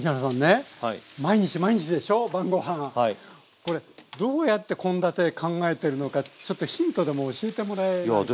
これどうやって献立考えてるのかちょっとヒントでも教えてもらえないかなって。